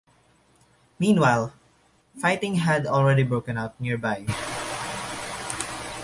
Meanwhile, fighting had already broken out nearby.